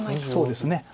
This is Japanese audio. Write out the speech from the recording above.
そうですね。